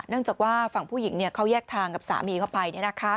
จากว่าฝั่งผู้หญิงเขาแยกทางกับสามีเข้าไป